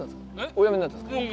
お辞めになったんですか？